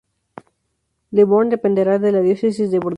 Le Born dependerá de la diócesis de Burdeos.